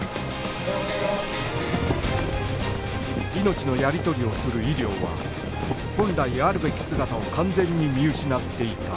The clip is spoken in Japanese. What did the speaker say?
命のやり取りをする医療は本来あるべき姿を完全に見失っていた